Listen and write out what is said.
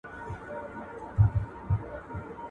• غوړي لا غوړ.